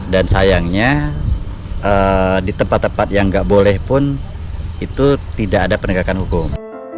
dan sayangnya di tempat tempat yang gak boleh pun itu tidak ada penegakan hukum